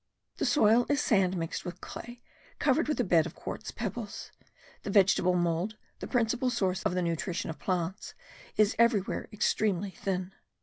The soil is sand mixed with clay, covering a bed of quartz pebbles. The vegetable mould, the principal source of the nutrition of plants, is everywhere extremely thin.